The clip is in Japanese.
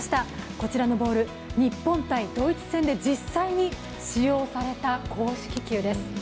こちらのボール、日本×ドイツ戦で実際に使用された公式球です。